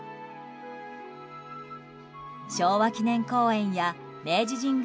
昭和記念公園や明治神宮